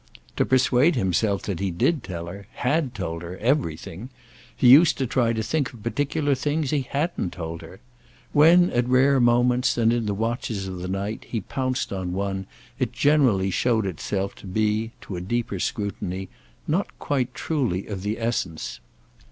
To persuade himself that he did tell her, had told her, everything, he used to try to think of particular things he hadn't told her. When at rare moments and in the watches of the night he pounced on one it generally showed itself to be—to a deeper scrutiny—not quite truly of the essence.